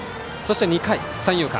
２回、三遊間。